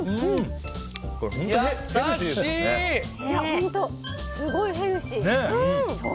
本当、すごいヘルシー。